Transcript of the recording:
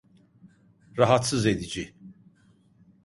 Rahatsız edici.